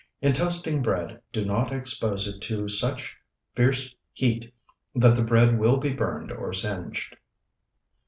In toasting bread, do not expose it to such fierce heat that the bread will be burned or singed.